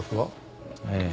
ええ。